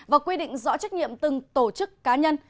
và quy định rõ trách nhiệm từng tổ chức cá nhân